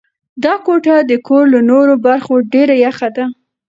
دا کوټه د کور له نورو برخو ډېره یخه ده.